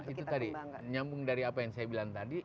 itu tadi nyambung dari apa yang saya bilang tadi